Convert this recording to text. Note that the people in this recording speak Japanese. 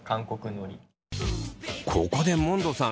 ここでモンドさん